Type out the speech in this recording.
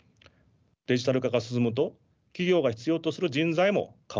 デジタル化が進むと企業が必要とする人材も変わります。